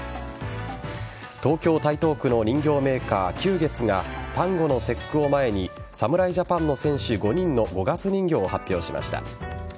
東京・台東区の人形メーカー久月が端午の節句を前に侍ジャパンの選手５人の五月人形を発表しました。